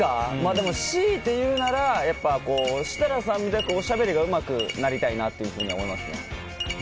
でも、しいて言うなら設楽さんみたくおしゃべりがうまくなりたいなと思いますね。